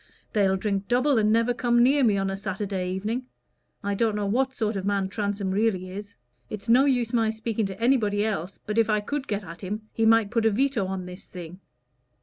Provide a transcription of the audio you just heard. They'll drink double, and never come near me on a Saturday evening. I don't know what sort of man Transome really is. It's no use my speaking to anybody else, but if I could get at him, he might put a veto on this thing.